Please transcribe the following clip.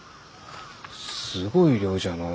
すごい量じゃのう。